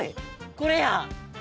これや！